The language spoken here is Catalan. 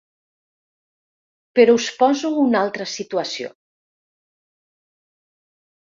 Però us poso una altra situació.